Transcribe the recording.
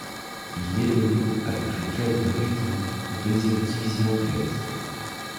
Il évolue avec le club de Reading en deuxième division anglaise.